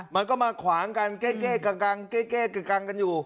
มันก็มาขวานกันเก้เก้กังกังเก้เก้กังกังอยู่